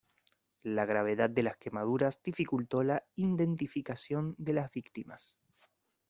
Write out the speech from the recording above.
La gravedad de las quemaduras dificultó la identificación de las víctimas.